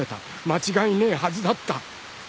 間違いねえはずだった。